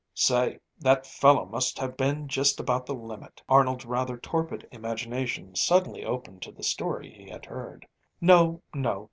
"Say, that fellow must have been just about the limit!" Arnold's rather torpid imagination suddenly opened to the story he had heard. "No, no!"